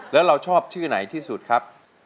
แล้วน้องใบบัวร้องได้หรือว่าร้องผิดครับ